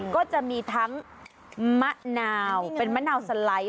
ก็จะมีทั้งมะนาวเป็นมะนาวสไลด์